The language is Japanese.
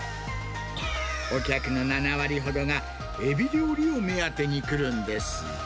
お客の７割ほどが、エビ料理を目当てに来るんです。